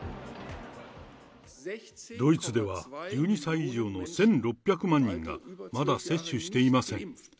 ドイツでは、１２歳以上の１６００万人が、まだ接種していません。